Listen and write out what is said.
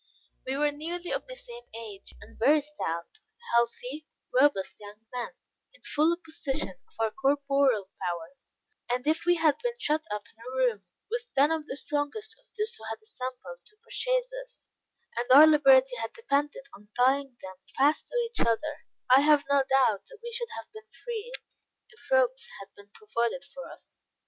We were all nearly of the same age; and very stout, healthy, robust young men, in full possession of our corporal powers; and if we had been shut up in a room, with ten of the strongest of those who had assembled to purchase us, and our liberty had depended on tying them fast to each other, I have no doubt that we should have been free, if ropes had been provided for us.